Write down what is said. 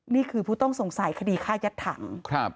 ผู้ต้องสงสัยคดีฆ่ายัดถัง